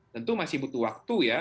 tentu masih butuh waktu ya